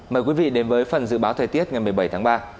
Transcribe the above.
mời quý vị đến với phần dự báo thời tiết ngày một mươi bảy tháng ba